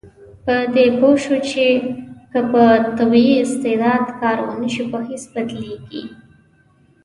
په دې پوه شو چې که په طبیعي استعداد کار ونشي، په هېڅ بدلیږي.